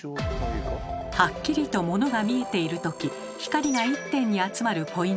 はっきりとモノが見えているとき光が一点に集まるポイント